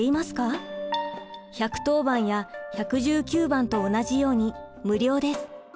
１１０番や１１９番と同じように無料です。